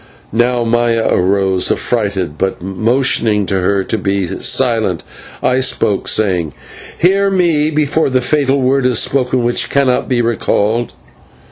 Now Maya rose affrighted, but, motioning to her to be silent, I spoke, saying: "Hear me before that fatal word is spoken which cannot be recalled!